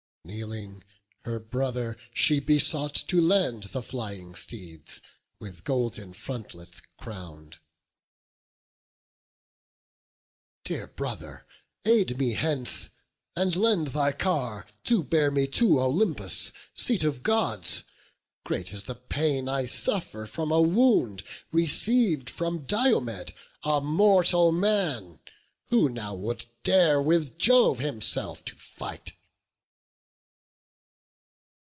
Kneeling, her brother she besought to lend The flying steeds, with golden frontlets crown'd: "Dear brother, aid me hence, and lend thy car To bear me to Olympus, seat of Gods; Great is the pain I suffer from a wound Receiv'd from Diomed, a mortal man, Who now would dare with Jove himself to fight."